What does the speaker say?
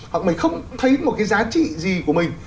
hoặc mình không thấy một cái giá trị gì của mình